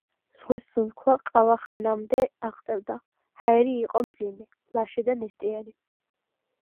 ზღვის სუნთქვა ყავახანამდე აღწევდა. ჰაერი იყო მძიმე, მლაშე და ნესტიანი.